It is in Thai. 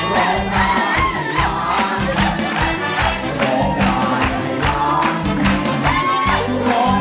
ร้องได้ให้ร้าน